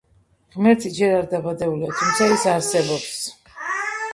ღმერთი ჯერ არ დაბადებულა, თუმცა ის არსებობს.